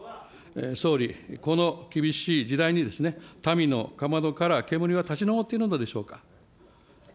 総理、この厳しい時代に民のかまどから煙は立ち上っているのでしょうか。